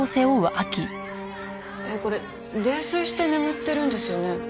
これ泥酔して眠ってるんですよね？